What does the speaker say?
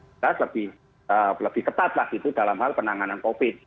daerah lebih lebih tepat lah gitu dalam hal penanganan covid